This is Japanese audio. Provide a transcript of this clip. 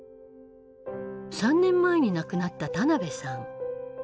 ３年前に亡くなった田辺さん。